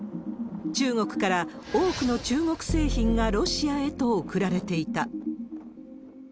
中国から多くの中国製品がロシアへと送られていた。